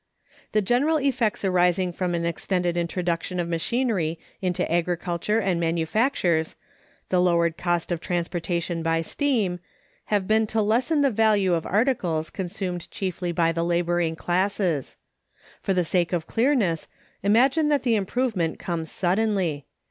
The general effects arising from the extended introduction of machinery into agriculture and manufactures, the lowered cost of transportation by steam, have been to lessen the value of articles consumed chiefly by the laboring classes. For the sake of clearness, imagine that the improvement comes suddenly.